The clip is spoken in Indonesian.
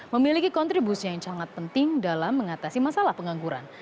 memiliki kontribusi yang sangat penting dalam mengatasi masalah pengangguran